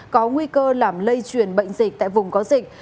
có nguy cơ làm lây truyền bệnh dịch tại vùng có dịch